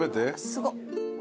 すごっ。